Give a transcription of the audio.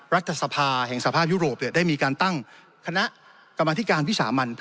รัฐสภาแห่งสภาพยุโรปได้มีการตั้งคณะกรรมธิการวิสามัน